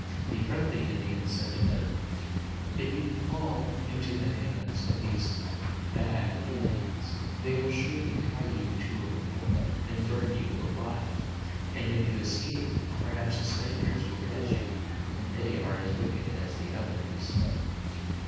The friendly Indians said to them, "If you fall into the hands of these bad Indians, they will surely tie you to a pole and burn you alive; and if you escape, perhaps the Spaniards will catch you, and they are as wicked as the others."